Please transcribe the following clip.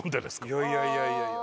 いやいやいやいやいや。